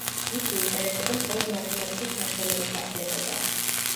მისი ინტერესები მხოლოდ მათემატიკით არ შემოიფარგლებოდა.